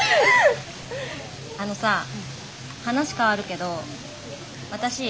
あのさ話変わるけど私